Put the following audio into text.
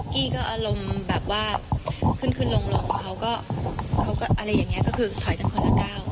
กี้ก็อารมณ์แบบว่าขึ้นขึ้นลงเขาก็เขาก็อะไรอย่างนี้ก็คือถอยกันคนละก้าว